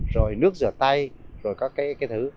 rồi nước rửa tay rồi các cái thứ